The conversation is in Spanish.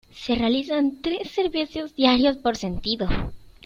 Se realizan tres servicios diarios por sentido.